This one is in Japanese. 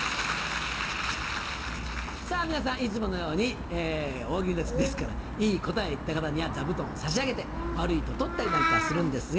さぁ皆さんいつものように大喜利ですからいい答えを言った方には座布団を差し上げて悪いと取ったりなんかするんですが。